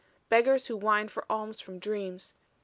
Beggars who whine for alms from dreams.